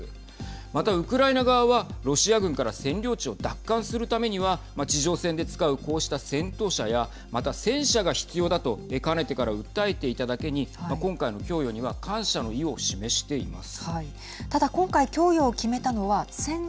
またウクライナ側はロシア軍から占領地を奪還するためには地上戦で使う、こうした戦闘車やまた戦車が必要だとかねてから訴えていただけに今回の供与には感謝の意を示しています。